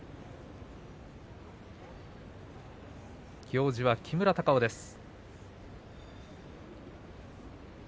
行司は木村隆男です。